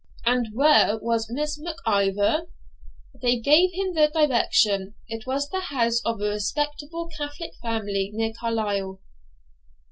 'And where was Miss Mac Ivor?' They gave him the direction. It was the house of a respectable Catholic family near Carlisle.